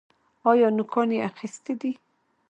ایا نوکان یې اخیستي دي؟